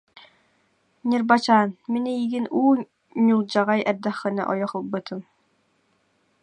Ньырбачаан, мин эйиигин уу ньулдьаҕай эрдэххинэ ойох ылбытым